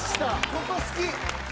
ここ好き！